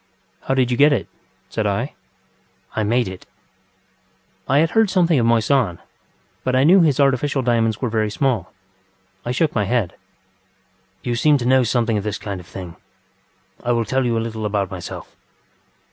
ŌĆ£How did you get it? ŌĆØ said I. ŌĆ£I made it. ŌĆØ I had heard something of Moissan, but I knew his artificial diamonds were very small. I shook my head. ŌĆ£You seem to know something of this kind of thing. I will tell you a little about myself.